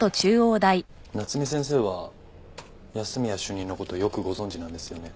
夏海先生は安洛主任の事よくご存じなんですよね？